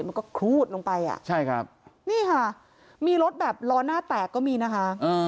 มันก็ครูดลงไปอ่ะใช่ครับนี่ค่ะมีรถแบบล้อหน้าแตกก็มีนะคะ